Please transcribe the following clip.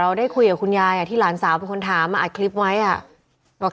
เราได้คุยกับคุณยายที่หลานสาวคุณถามอาจคลิปไว้อ่ะว่า